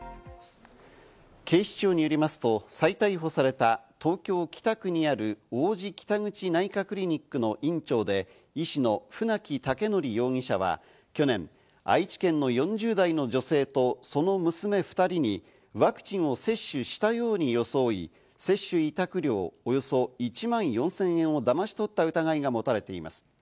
警視庁によりますと再逮捕された東京・北区にある王子北口内科クリニックの院長で医師の船木威徳容疑者は去年、愛知県の４０代の女性と、その娘２人にワクチンを接種したように装い、接種委託料およそ１万４０００円をだまし取った疑いが持たれています。